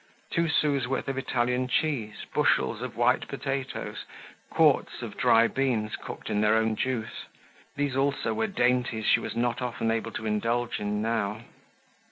Two sous' worth of Italian cheese, bushels of white potatoes, quarts of dry beans, cooked in their own juice, these also were dainties she was not often able to indulge in now.